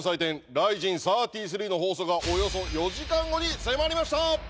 ＲＩＺＩＮ．３３の放送がおよそ４時間後に迫りました！